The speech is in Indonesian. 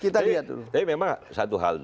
tapi memang satu hal